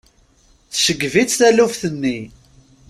Tceggeb-itt taluft-nni.